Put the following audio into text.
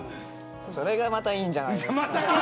それがまたいいんじゃないですか。